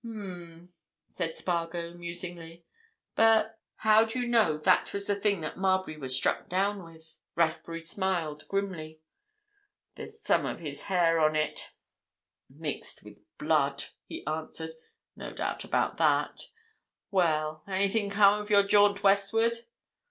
"Um!" said Spargo, musingly. "But—how do you know that was the thing that Marbury was struck down with?" Rathbury smiled grimly. "There's some of his hair on it—mixed with blood," he answered. "No doubt about that. Well—anything come of your jaunt westward?"